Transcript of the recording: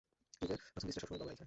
কেকের প্রথম পিসটা সবসময় বাবারাই খায়!